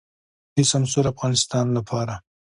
د سمسور افغانستان لپاره.